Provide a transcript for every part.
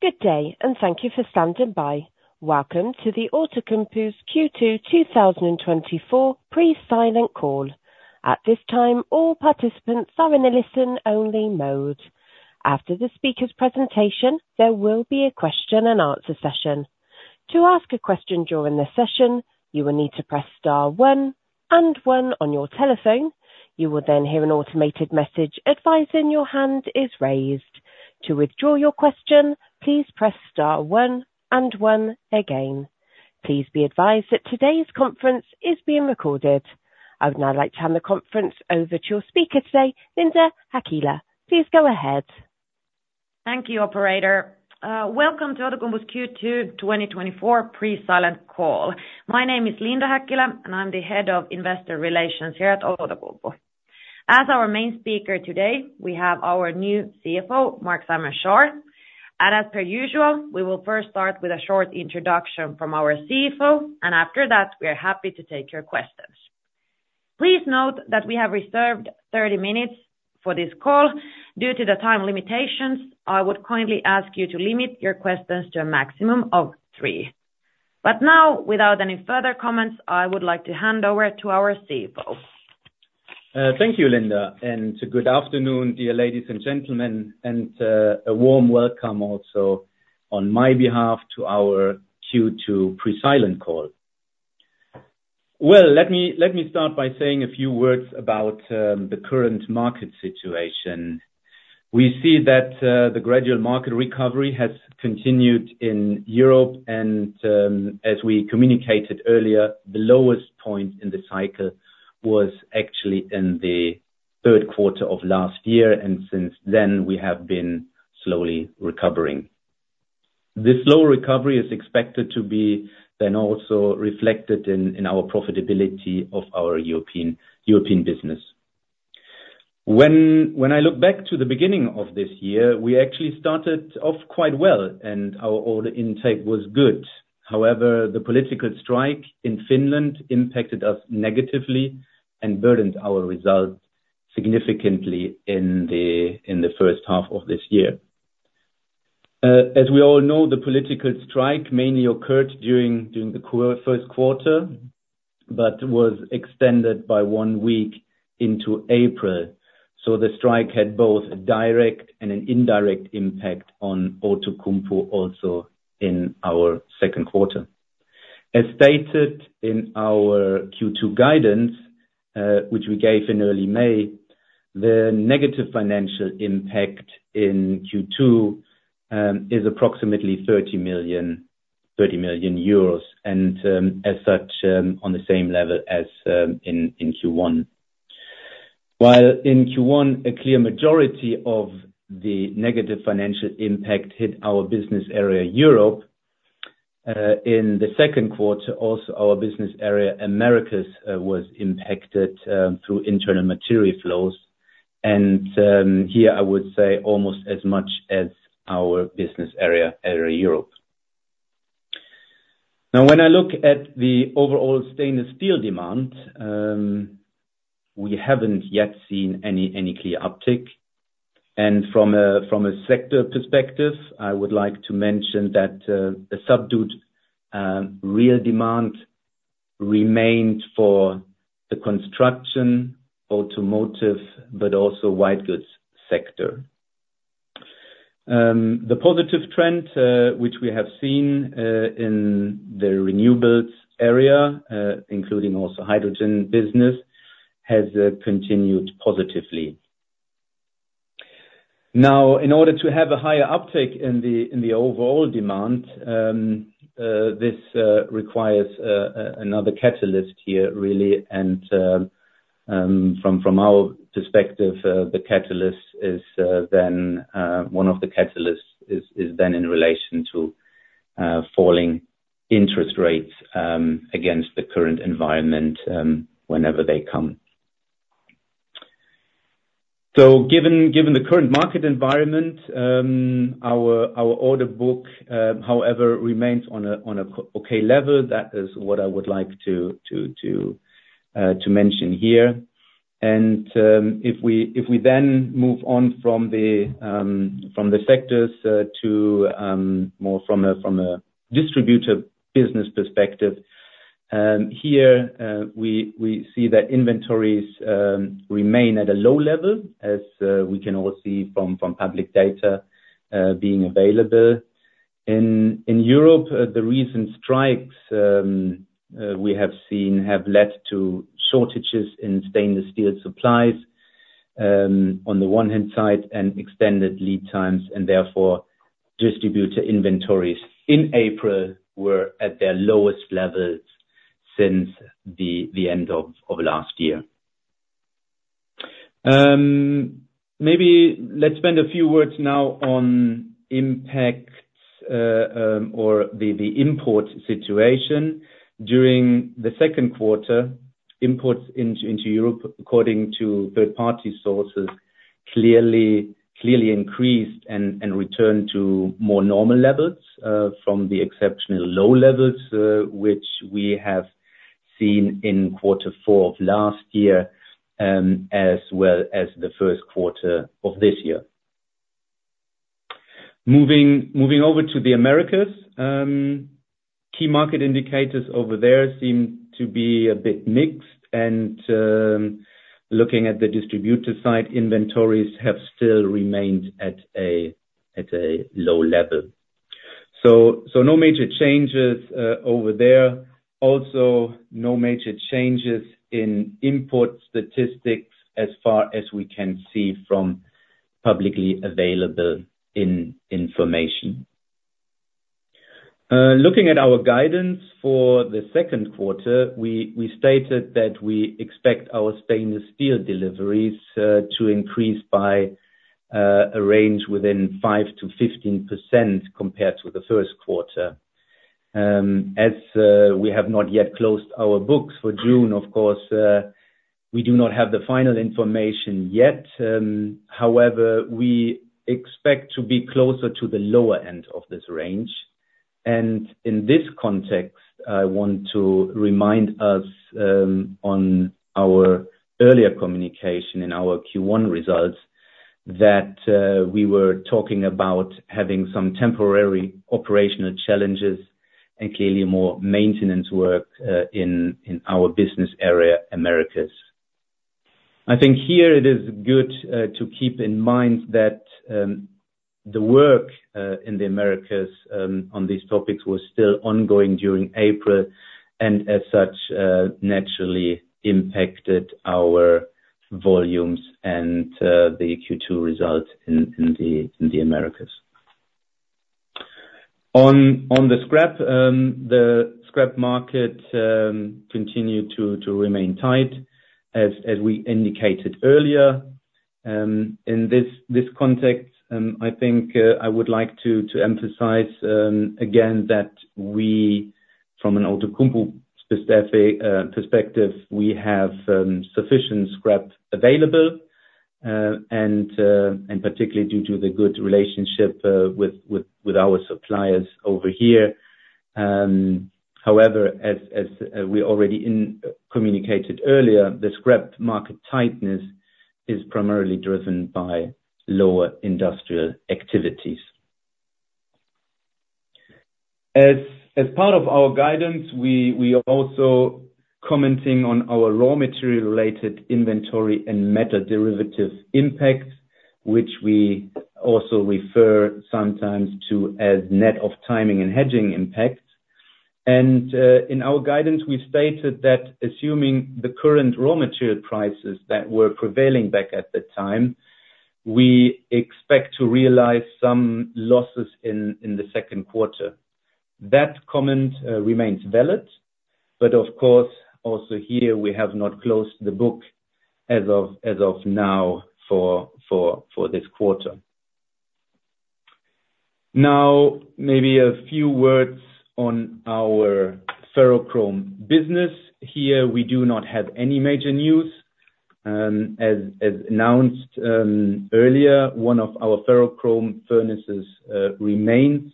Good day, and thank you for standing by. Welcome to the Outokumpu's Q2 2024 pre-silent call. At this time, all participants are in a listen-only mode. After the speaker's presentation, there will be a question and answer session. To ask a question during the session, you will need to press star one and one on your telephone. You will then hear an automated message advising your hand is raised. To withdraw your question, please press star one and one again. Please be advised that today's conference is being recorded. I would now like to hand the conference over to your speaker today, Linda Häkkilä. Please go ahead. Thank you, operator. Welcome to Outokumpu's Q2 2024 pre-silent call. My name is Linda Häkkilä, and I'm the Head of Investor Relations here at Outokumpu. As our main speaker today, we have our new CFO, Marc-Simon Schaar, and as per usual, we will first start with a short introduction from our CFO, and after that, we are happy to take your questions. Please note that we have reserved 30 minutes for this call. Due to the time limitations, I would kindly ask you to limit your questions to a maximum of 3. But now, without any further comments, I would like to hand over to our CFO. Thank you, Linda, and good afternoon, dear ladies and gentlemen, and a warm welcome also on my behalf to our Q2 pre-silent call. Well, let me start by saying a few words about the current market situation. We see that the gradual market recovery has continued in Europe and as we communicated earlier, the lowest point in the cycle was actually in the third quarter of last year, and since then, we have been slowly recovering. This slow recovery is expected to be then also reflected in our profitability of our European business. When I look back to the beginning of this year, we actually started off quite well, and our order intake was good. However, the political strike in Finland impacted us negatively and burdened our results significantly in the first half of this year. As we all know, the political strike mainly occurred during the first quarter, but was extended by one week into April, so the strike had both a direct and an indirect impact on Outokumpu, also in our second quarter. As stated in our Q2 guidance, which we gave in early May, the negative financial impact in Q2 is approximately 30 million euros, 30 million euros and, as such, on the same level as in Q1. While in Q1, a clear majority of the negative financial impact hit our business area, Europe, in the second quarter, also our business area, Americas, was impacted through internal material flows, and, here, I would say almost as much as our business area Europe. Now, when I look at the overall stainless steel demand, we haven't yet seen any clear uptick, and from a sector perspective, I would like to mention that a subdued real demand remained for the construction, automotive, but also white goods sector. The positive trend which we have seen in the renewables area, including also hydrogen business, has continued positively. Now, in order to have a higher uptick in the overall demand, this requires another catalyst here, really, and from our perspective, the catalyst is then. One of the catalysts is then in relation to falling interest rates against the current environment, whenever they come. Given the current market environment, our order book, however, remains on an okay level. That is what I would like to mention here. If we then move on from the sectors to more from a distributor business perspective, here we see that inventories remain at a low level, as we can all see from public data being available. In Europe, the recent strikes we have seen have led to shortages in stainless steel supplies, on the one hand side, and extended lead times, and therefore, distributor inventories in April were at their lowest levels since the end of last year. Maybe let's spend a few words now on impacts, or the import situation. During the second quarter, imports into Europe, according to third-party sources, clearly increased and returned to more normal levels from the exceptional low levels, which we have seen in quarter four of last year, as well as the first quarter of this year. Moving over to the Americas, key market indicators over there seem to be a bit mixed, and looking at the distributor side, inventories have still remained at a low level. So no major changes over there. Also, no major changes in import statistics as far as we can see from publicly available information. Looking at our guidance for the second quarter, we stated that we expect our stainless steel deliveries to increase by 5%-15% compared to the first quarter. As we have not yet closed our books for June, of course, we do not have the final information yet, however, we expect to be closer to the lower end of this range. And in this context, I want to remind us on our earlier communication in our Q1 results, that we were talking about having some temporary operational challenges and clearly more maintenance work in our business area, Americas. I think here it is good to keep in mind that the work in the Americas on these topics was still ongoing during April, and as such, naturally impacted our volumes and the Q2 results in the Americas. On the scrap market, the scrap market continued to remain tight, as we indicated earlier. In this context, I think I would like to emphasize again that we, from an Outokumpu specific perspective, we have sufficient scrap available, and particularly due to the good relationship with our suppliers over here. However, as we already indicated earlier, the scrap market tightness is primarily driven by lower industrial activities. As part of our guidance, we are also commenting on our raw material-related inventory and metal derivative impact, which we also refer sometimes to as net of timing and hedging impact. And, in our guidance, we stated that assuming the current raw material prices that were prevailing back at the time, we expect to realize some losses in the second quarter. That comment remains valid, but of course, also here, we have not closed the books as of now for this quarter. Now, maybe a few words on our ferrochrome business. Here, we do not have any major news. As announced earlier, one of our ferrochrome furnaces remains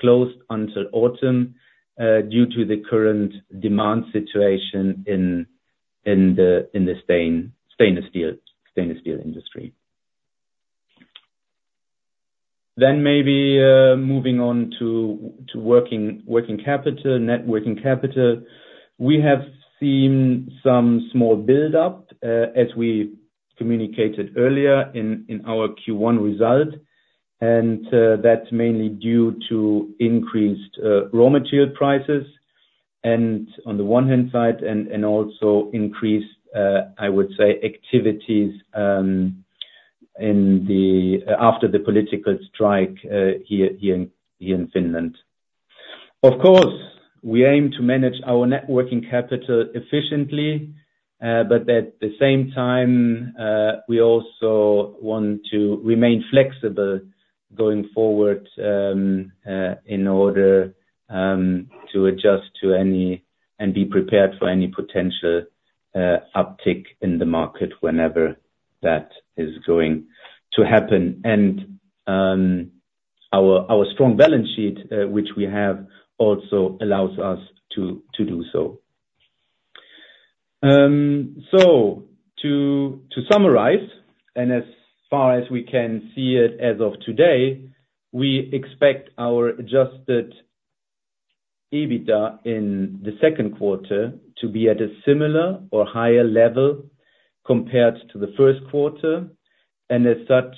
closed until autumn due to the current demand situation in the stainless steel industry. Then maybe moving on to working capital, net working capital. We have seen some small build-up as we communicated earlier in our Q1 result, and that's mainly due to increased raw material prices, and on the one hand side and also increased, I would say, activities after the political strike here in Finland. Of course, we aim to manage our net working capital efficiently, but at the same time, we also want to remain flexible going forward in order to adjust to any and be prepared for any potential uptick in the market whenever that is going to happen. Our strong balance sheet, which we have, also allows us to do so. So to summarize, and as far as we can see it as of today, we expect our Adjusted EBITDA in the second quarter to be at a similar or higher level compared to the first quarter. And as such,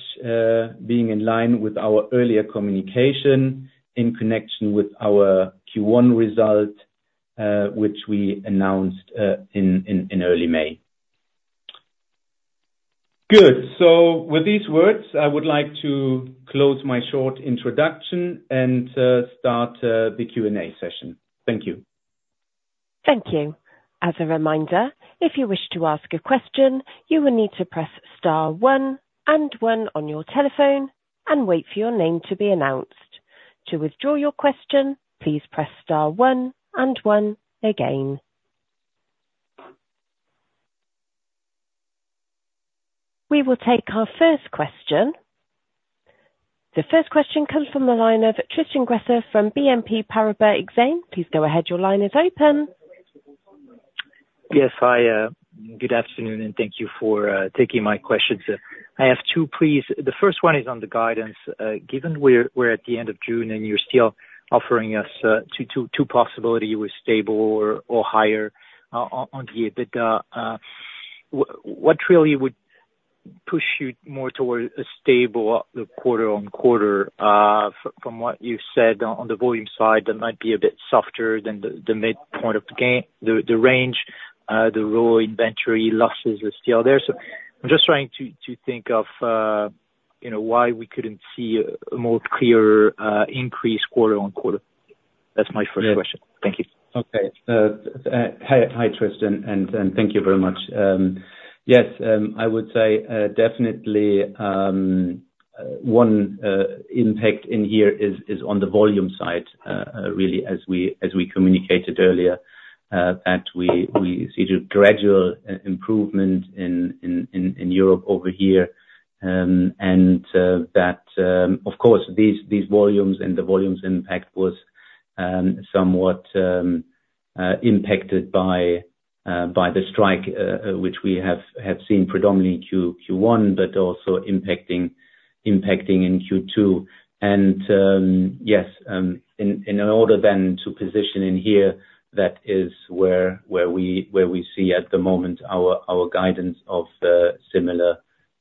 being in line with our earlier communication in connection with our Q1 result, which we announced in early May. Good. With these words, I would like to close my short introduction and start the Q&A session. Thank you. Thank you. As a reminder, if you wish to ask a question, you will need to press star one and one on your telephone and wait for your name to be announced. To withdraw your question, please press star one and one again... We will take our first question. The first question comes from the line of Tristan Gresser from BNP Paribas Exane. Please go ahead. Your line is open. Yes, hi, good afternoon, and thank you for taking my questions. I have two, please. The first one is on the guidance. Given we're at the end of June, and you're still offering us two possibilities with stable or higher on the EBITDA, what really would push you more towards a stable quarter-on-quarter? From what you've said on the volume side, that might be a bit softer than the midpoint of the guidance, the range, the raw inventory losses are still there. So I'm just trying to think of, you know, why we couldn't see a more clear increase quarter-on-quarter. That's my first question. Yes. Thank you. Okay. Hi, Tristan, and thank you very much. Yes, I would say definitely one impact in here is on the volume side. Really, as we communicated earlier, that we see the gradual improvement in Europe over here. And that of course these volumes and the volumes impact was somewhat impacted by the strike which we have seen predominantly Q1, but also impacting in Q2. Yes, in order then to position in here, that is where we see at the moment our guidance of similar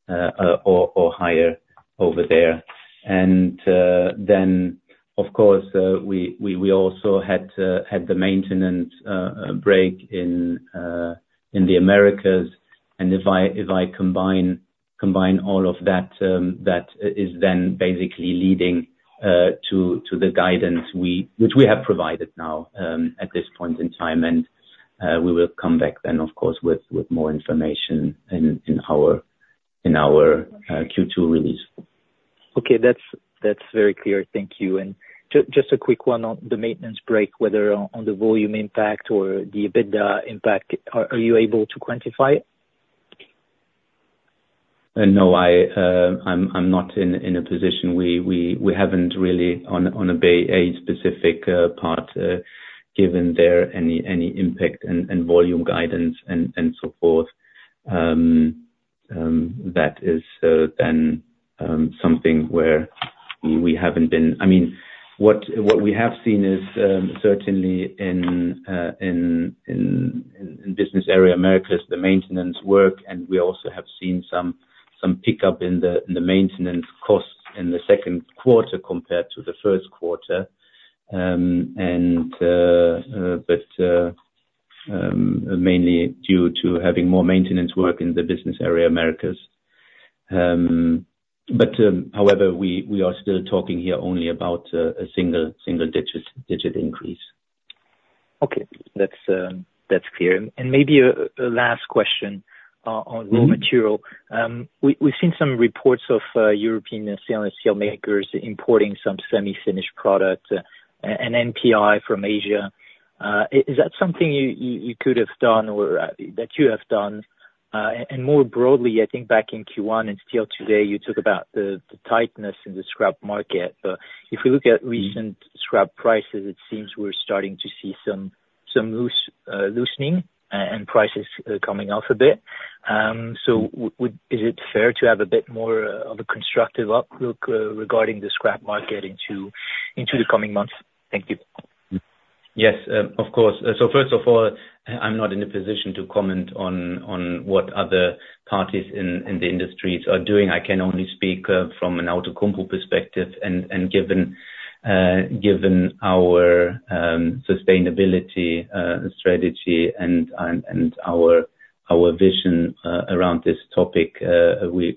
or higher over there. Then, of course, we also had the maintenance break in the Americas. If I combine all of that, that is then basically leading to the guidance which we have provided now, at this point in time. We will come back then, of course, with more information in our Q2 release. Okay, that's very clear. Thank you. And just a quick one on the maintenance break, whether on the volume impact or the EBITDA impact, are you able to quantify it? No, I'm not in a position. We haven't really been able to give any specific impact and volume guidance and so forth. That is then something where we haven't been. I mean, what we have seen is certainly in the business area Americas the maintenance work, and we also have seen some pickup in the maintenance costs in the second quarter, compared to the first quarter. But mainly due to having more maintenance work in the business area Americas. But however, we are still talking here only about a single-digit increase. Okay. That's, that's clear. And maybe a last question, on- Mm-hmm. Raw material. We've seen some reports of European stainless steel makers importing some semi-finished product and NPI from Asia. Is that something you could have done or that you have done? And more broadly, I think back in Q1 and still today, you talk about the tightness in the scrap market. If we look at recent- Mm. Scrap prices, it seems we're starting to see some loosening and prices coming off a bit. So would it be fair to have a bit more of a constructive outlook regarding the scrap market into the coming months? Thank you. Yes, of course. So first of all, I'm not in a position to comment on what other parties in the industries are doing. I can only speak from an Outokumpu perspective and given our sustainability strategy and our vision around this topic,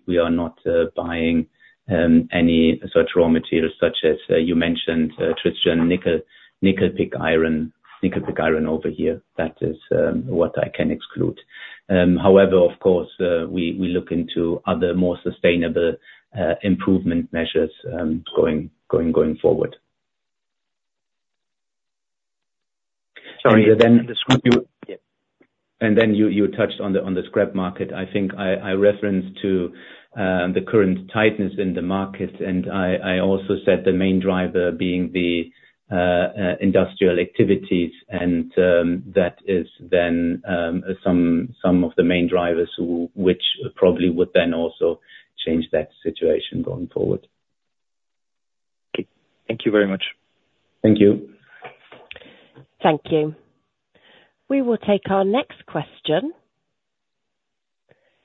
we are not buying any such raw materials, such as you mentioned, Tristan, nickel pig iron over here. That is what I can exclude. However, of course, we look into other, more sustainable improvement measures going forward. Sorry, and then the scrap you- And then you touched on the scrap market. I think I referenced to the current tightness in the market, and I also said the main driver being the industrial activities, and that is then some of the main drivers which probably would then also change that situation going forward. Okay. Thank you very much. Thank you. Thank you. We will take our next question.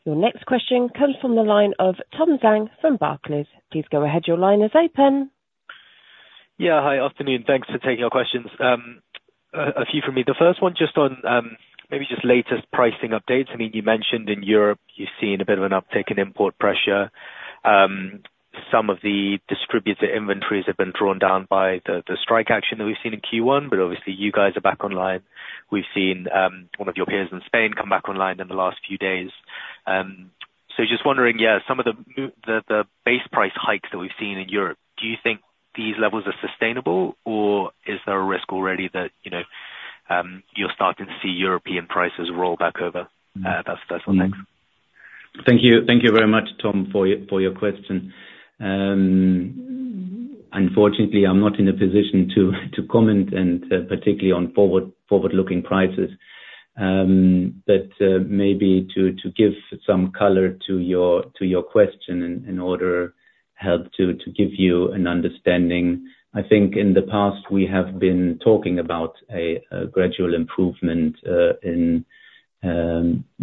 Your next question comes from the line of Tom Zhang from Barclays. Please go ahead. Your line is open. Yeah. Hi, afternoon. Thanks for taking our questions. A few from me. The first one, just on maybe just latest pricing updates. I mean, you mentioned in Europe, you're seeing a bit of an uptick in import pressure. Some of the distributor inventories have been drawn down by the strike action that we've seen in Q1, but obviously you guys are back online. We've seen one of your peers in Spain come back online in the last few days. So just wondering, some of the base price hikes that we've seen in Europe, do you think these levels are sustainable, or is there a risk already that, you know, you're starting to see European prices roll back over, that's what next? Thank you. Thank you very much, Tom, for your question. Unfortunately, I'm not in a position to comment, particularly on forward-looking prices. But maybe to give some color to your question in order to help to give you an understanding, I think in the past, we have been talking about a gradual improvement in the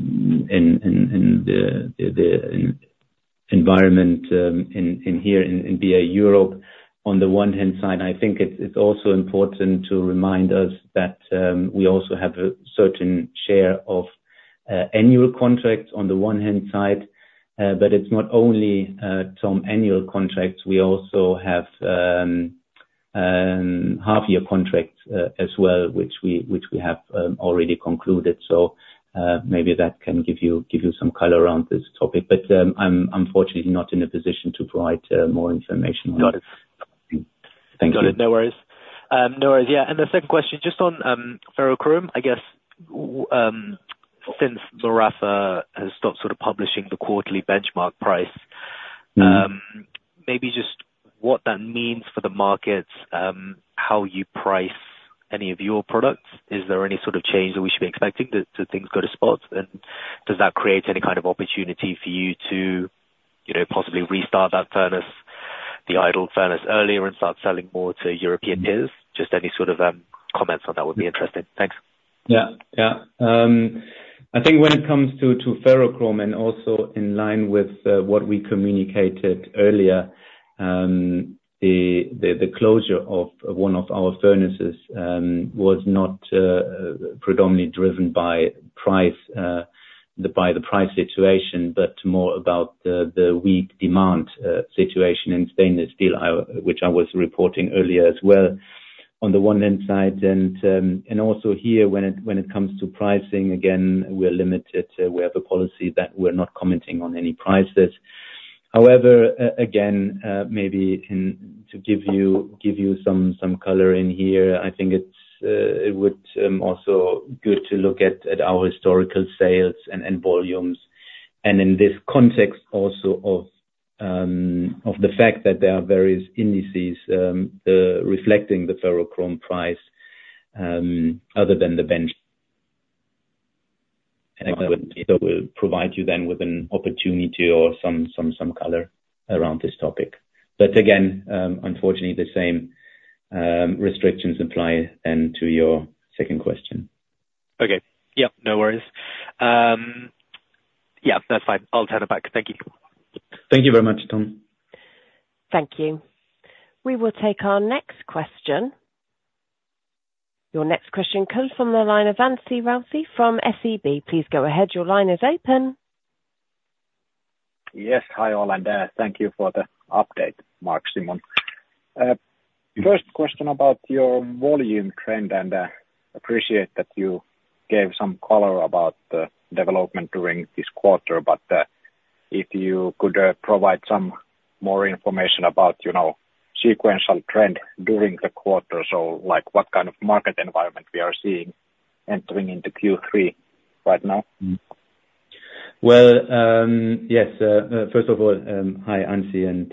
environment in here in BA Europe. On the one hand side, I think it's also important to remind us that we also have a certain share of annual contracts on the one hand side, but it's not only some annual contracts. We also have half-year contracts as well, which we have already concluded. So, maybe that can give you, give you some color around this topic. But, I'm unfortunately not in a position to provide, more information on this. Got it. Thank you. Got it. No worries. No worries. Yeah, and the second question, just on ferrochrome, I guess, since Merafe has stopped sort of publishing the quarterly benchmark price- Mm-hmm. Maybe just what that means for the markets, how you price any of your products? Is there any sort of change that we should be expecting, do things go to spot? And does that create any kind of opportunity for you to, you know, possibly restart that furnace, the idle furnace earlier, and start selling more to European peers? Just any sort of comments on that would be interesting. Thanks. Yeah, yeah. I think when it comes to ferrochrome, and also in line with what we communicated earlier, the closure of one of our furnaces was not predominantly driven by price, by the price situation, but more about the weak demand situation in stainless steel, which I was reporting earlier as well. On the one hand side, and also here, when it comes to pricing, again, we're limited, we have a policy that we're not commenting on any prices. However, again, maybe in to give you some color in here, I think it would also good to look at our historical sales and volumes. In this context also of the fact that there are various indices reflecting the ferrochrome price other than the benchmark. That will provide you then with an opportunity or some color around this topic. But again, unfortunately, the same restrictions apply then to your second question. Okay. Yep, no worries. Yeah, that's fine. I'll turn it back. Thank you. Thank you very much, Tom. Thank you. We will take our next question. Your next question comes from the line of Anssi Raussi from SEB. Please go ahead. Your line is open. Yes, hi, all, and thank you for the update, Marc-Simon. First question about your volume trend, and appreciate that you gave some color about the development during this quarter, but if you could provide some more information about, you know, sequential trend during the quarter. So, like, what kind of market environment we are seeing entering into Q3 right now? Well, yes, first of all, hi, Anssi, and,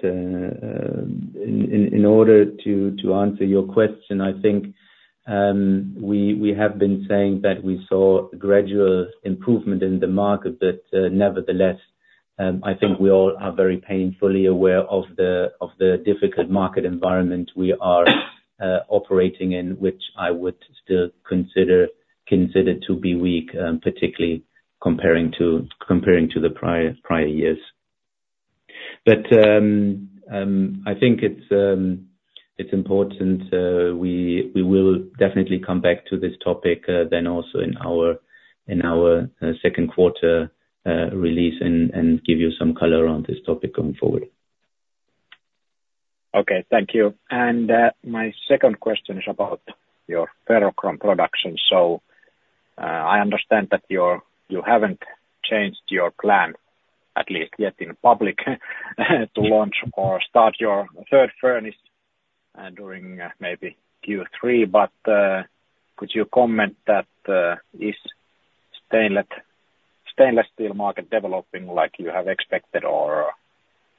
in order to answer your question, I think, we have been saying that we saw gradual improvement in the market, but, nevertheless, I think we all are very painfully aware of the difficult market environment we are operating in, which I would still consider to be weak, particularly comparing to the prior years. But, I think it's important, we will definitely come back to this topic, then also in our second quarter release and give you some color on this topic going forward. Okay, thank you. And, my second question is about your ferrochrome production. So, I understand that you haven't changed your plan, at least yet in public, to launch or start your third furnace, during, maybe Q3, but, could you comment that, is stainless, stainless steel market developing like you have expected? Or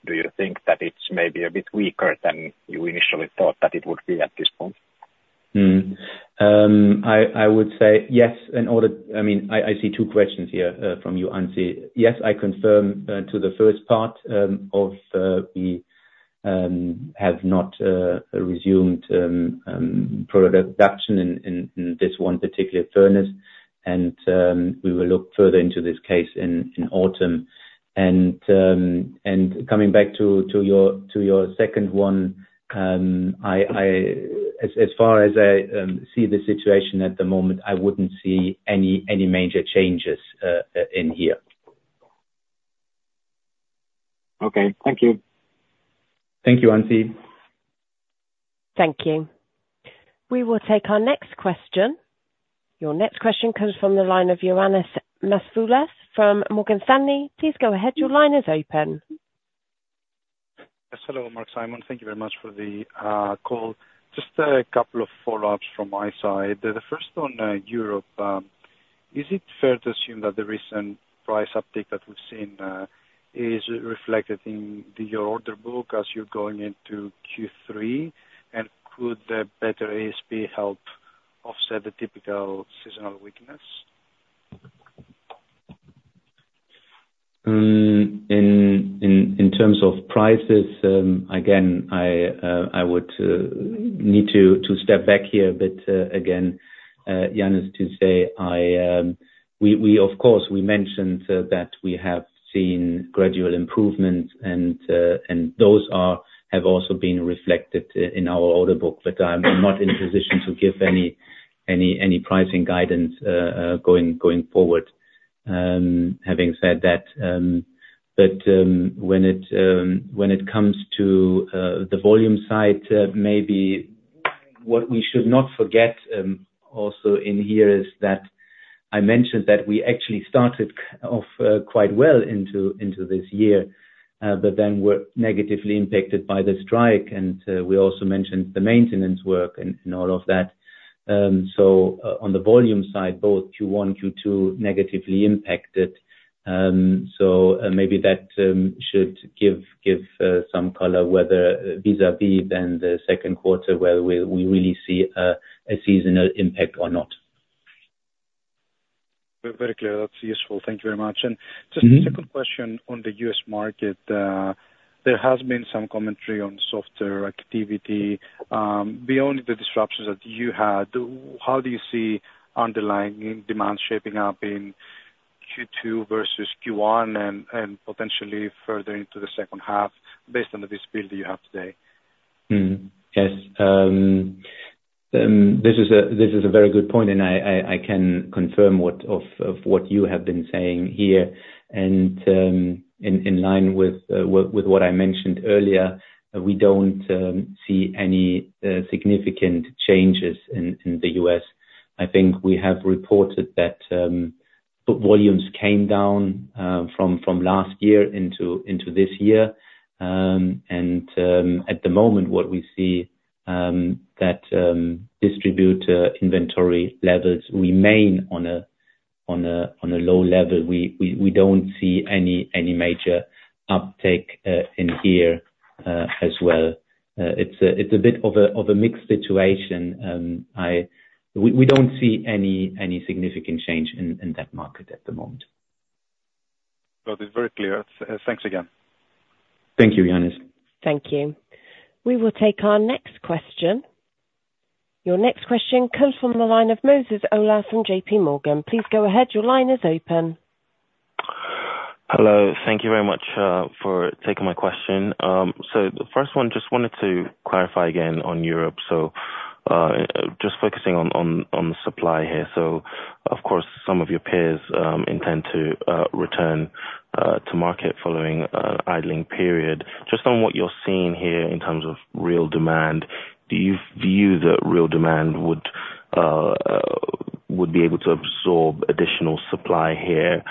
do you think that it's maybe a bit weaker than you initially thought that it would be at this point? I would say yes. I mean, I see two questions here from you, Anssi. Yes, I confirm to the first part, we have not resumed product production in this one particular furnace, and coming back to your second one, I, as far as I see the situation at the moment, I wouldn't see any major changes in here. Okay. Thank you. Thank you, Anssi. Thank you. We will take our next question. Your next question comes from the line of Ioannis Masvoulas from Morgan Stanley. Please go ahead. Your line is open.... Hello, Marc-Simon. Thank you very much for the call. Just a couple of follow-ups from my side. The first on Europe, is it fair to assume that the recent price uptick that we've seen is reflected in your order book as you're going into Q3? And could the better ASP help offset the typical seasonal weakness? In terms of prices, again, I would need to step back here, but again, Ioannis, to say, we of course mentioned that we have seen gradual improvements, and those have also been reflected in our order book. But I'm not in a position to give any pricing guidance going forward. Having said that, but when it comes to the volume side, maybe what we should not forget also in here is that I mentioned that we actually started the year off quite well into this year, but then were negatively impacted by the strike, and we also mentioned the maintenance work and all of that. So, on the volume side, both Q1, Q2, negatively impacted. So, maybe that should give, give some color whether vis-a-vis then the second quarter, where we, we really see a seasonal impact or not. Very clear. That's useful. Thank you very much. Mm-hmm. Just a second question on the U.S. market. There has been some commentary on softer activity. Beyond the disruptions that you had, how do you see underlying demand shaping up in Q2 versus Q1, and potentially further into the second half, based on the visibility you have today? Yes. This is a very good point, and I can confirm what you have been saying here. And, in line with what I mentioned earlier, we don't see any significant changes in the U.S. I think we have reported that book volumes came down from last year into this year. And at the moment, what we see that distributor inventory levels remain on a low level. We don't see any major uptick in here as well. It's a bit of a mixed situation, and I... We don't see any significant change in that market at the moment. Well, it's very clear. Thanks again. Thank you, Ioannis. Thank you. We will take our next question. Your next question comes from the line of Moses Ola from J.P. Morgan. Please go ahead. Your line is open. Hello. Thank you very much for taking my question. So the first one, just wanted to clarify again on Europe. So just focusing on the supply here. So, of course, some of your peers intend to return to market following an idling period. Just on what you're seeing here in terms of real demand, do you view that real demand would be able to absorb additional supply here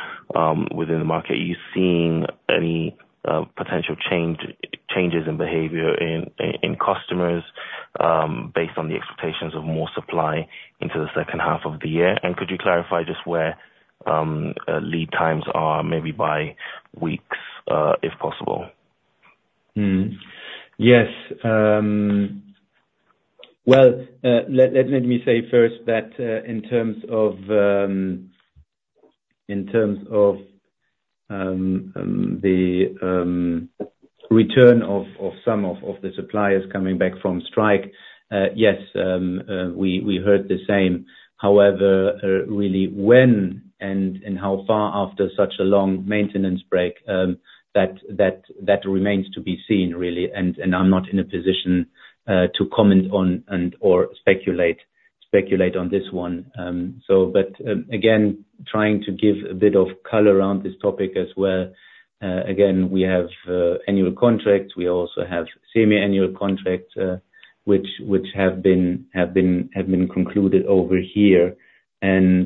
within the market? Are you seeing any potential change, changes in behavior in customers based on the expectations of more supply into the second half of the year? And could you clarify just where lead times are, maybe by weeks, if possible? Mm. Yes. Well, let me say first that, in terms of the return of some of the suppliers coming back from strike, yes, we heard the same. However, really when and how far after such a long maintenance break, that remains to be seen, really, and I'm not in a position to comment on and/or speculate on this one. So, but, again, trying to give a bit of color around this topic as well. Again, we have annual contracts. We also have semiannual contracts, which have been concluded over here. Therefore,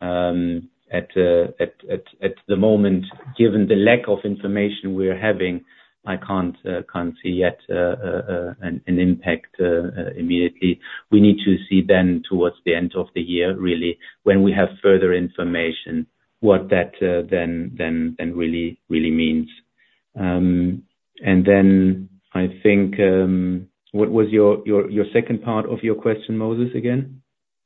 at the moment, given the lack of information we're having, I can't see yet an impact immediately. We need to see then towards the end of the year, really, when we have further information, what that then really means. And then I think, what was your second part of your question, Moses, again?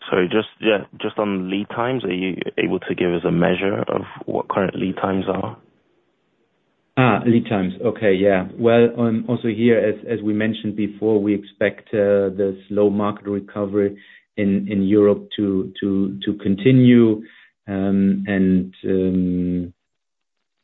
Sorry, just, yeah, just on lead times, are you able to give us a measure of what current lead times are? Ah, lead times. Okay. Yeah. Well, also here, as we mentioned before, we expect the slow market recovery in Europe to continue. And,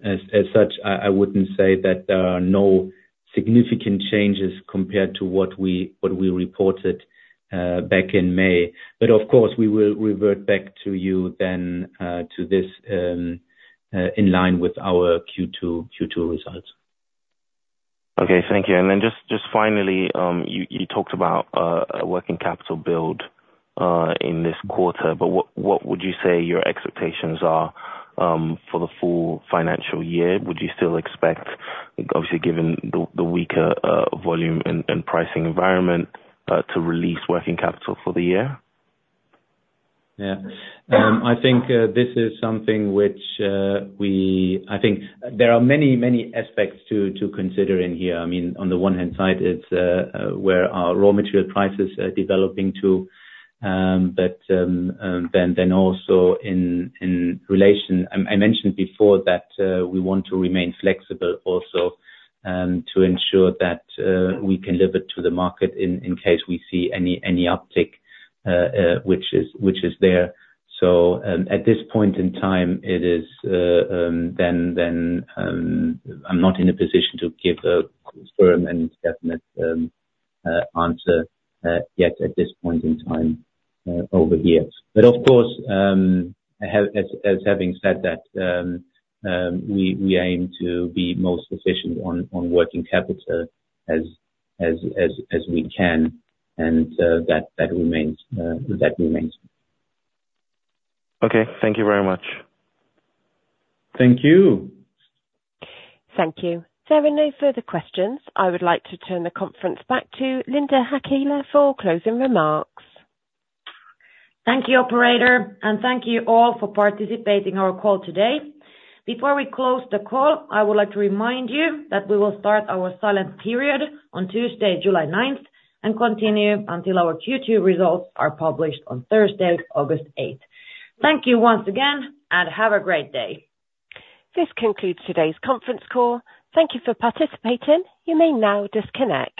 as such, I wouldn't say that there are no significant changes compared to what we reported back in May. But of course, we will revert back to you then to this in line with our Q2 results.... Okay, thank you. And then just finally, you talked about a working capital build in this quarter, but what would you say your expectations are for the full financial year? Would you still expect, obviously, given the weaker volume and pricing environment, to release working capital for the year? Yeah. I think this is something which I think there are many, many aspects to consider in here. I mean, on the one hand side, it's where our raw material prices are developing to, but then also in relation... I mentioned before that we want to remain flexible also to ensure that we can deliver to the market in case we see any uptick which is there. So, at this point in time, it is then I'm not in a position to give a firm and definite answer yet, at this point in time, over years. But of course, as having said that, we aim to be most efficient on working capital as we can, and that remains. Okay. Thank you very much. Thank you. Thank you. There are no further questions. I would like to turn the conference back to Linda Häkkilä for closing remarks. Thank you, operator, and thank you all for participating in our call today. Before we close the call, I would like to remind you that we will start our silent period on Tuesday, July ninth, and continue until our Q2 results are published on Thursday, August eighth. Thank you once again, and have a great day. This concludes today's conference call. Thank you for participating. You may now disconnect.